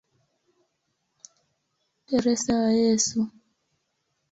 Teresa wa Yesu".